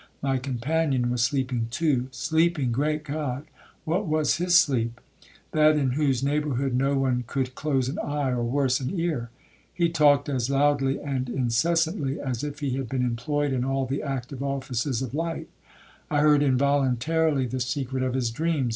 My companion was sleeping too. Sleeping! great God! what was his sleep?—that in whose neighbourhood no one could close an eye, or, worse, an ear. He talked as loudly and incessantly as if he had been employed in all the active offices of life. I heard involuntarily the secret of his dreams.